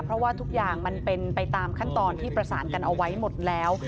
เพราะว่าทุกอย่างมันเป็นไปตามขั้นตอนที่ประสานกันเอาไว้หมดแล้ว